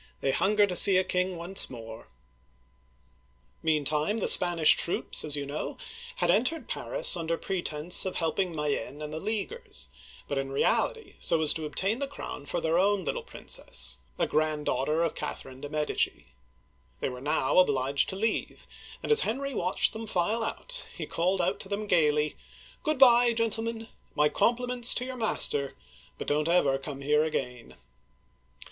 They hunger to see a king once more !*' Meantime, the Spanish troops, as you know,' had en tered Paris under pretense of helping Mayenne and the Leaguers, but in reality so as to obtain the crown for their own little princess, a granddaughter of Catherine Digitized by Google (288) Digitized by Google HENRY. IV. (1589 1610) 289 de* Medici. They were now obliged to leave, and as Henry watched them file out, he called out to them gayly :" Good by, gentlemen. My compliments to your master, but don't ever come here again